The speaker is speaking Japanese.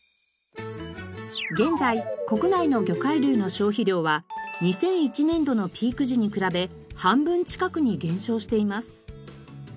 現在国内の魚介類の消費量は２００１年度のピーク時に比べ半分近くに減少しています。